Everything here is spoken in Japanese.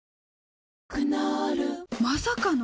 クノールまさかの！？